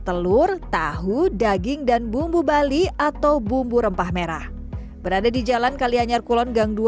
telur tahu daging dan bumbu bali atau bumbu rempah merah berada di jalan kalianyar kulon gang dua